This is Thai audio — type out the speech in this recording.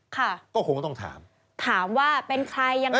ค่ะก็คงต้องถามถามว่าเป็นใครยังไง